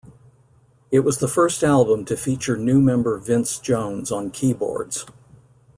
It was the first album to feature new member Vince Jones on keyboards.